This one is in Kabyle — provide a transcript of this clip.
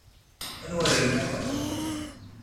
Anwa ara yennaɣen?